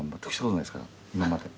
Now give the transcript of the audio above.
今まで。